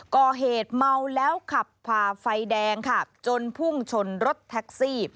ก่อเหตุเมาแล้วขับผ่าไฟแดงค่ะจนพุ่งชนรถแท็กซี่